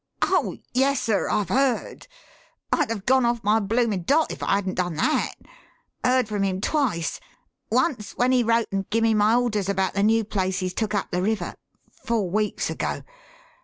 "Oh, yes, sir, I've heard I'd have gone off my bloomin' dot if I hadn't done that. Heard from him twice. Once when he wrote and gimme my orders about the new place he's took up the river four weeks ago.